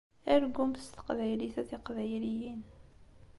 Argumt s teqbaylit a tiqbayliyin!